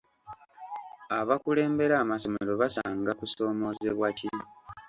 Abakulembera amasomero basanga kusoomozebwa ki?